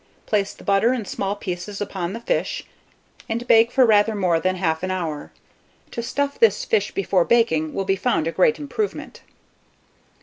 Place the butter, in small pieces, upon the fish, and bake for rather more than 1/2 an hour. To stuff this fish before baking, will be found a great improvement.